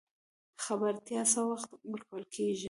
خبرتیا څه وخت ورکول کیږي؟